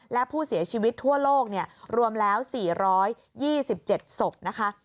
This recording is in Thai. และผู้เสียชีวิตทั่วโลกรวมแล้ว๔๒๗ศพนะคะ